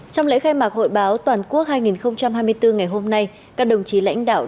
trong lễ khai mạc hội báo toàn quốc hai nghìn hai mươi bốn ngày hôm nay các đồng chí lãnh đạo